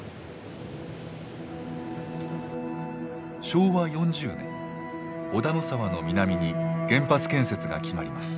昭和４０年小田野沢の南に原発建設が決まります。